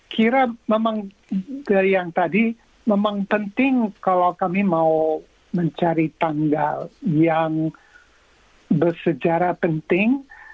kira memang ke yang tadi memang penting kalau kami mau mencari tanggal yang bersejarah penting